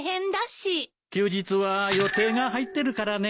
休日は予定が入ってるからね。